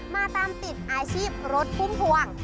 มาตามติดอาชีพรถพุ่มพวง